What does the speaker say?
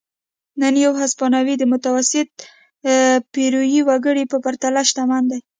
نن یو هسپانوی د متوسط پیرويي وګړي په پرتله شتمن دی.